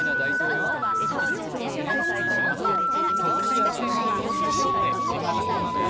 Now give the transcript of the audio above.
何か切ないですね。